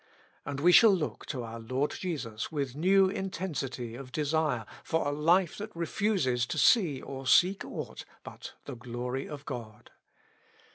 And we shall look to our Lord Jesus with new intensity of de sire for a life that refuses to see or seek ought but the glory of God.